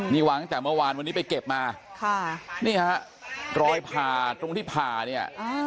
นี่วางตั้งแต่เมื่อวานวันนี้ไปเก็บมาค่ะนี่ฮะรอยผ่าตรงที่ผ่าเนี่ย